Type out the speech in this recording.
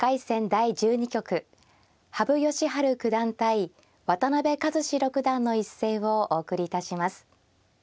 第１２局羽生善治九段対渡辺和史六段の一戦をお送りいたします。